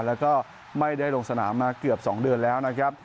แล้วก็ไม่ได้ลงสนามมาเกือบ๒เดือนแล้วนะครับ